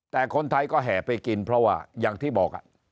แต่คนไทยก็แห่ไปกินเพราะว่าอย่างที่บอก